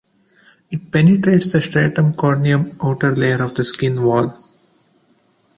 It penetrates the stratum corneum outer layer of skin wall.